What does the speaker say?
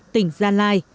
tỉnh gia lai